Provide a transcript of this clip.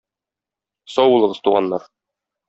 Сау булыгыз, туганнар.